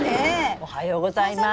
おはようございます。